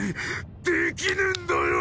できねえんだよ！